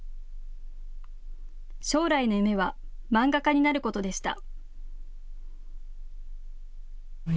将来の夢は漫画家になることでした。